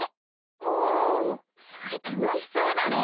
おおそれたのしそうだね！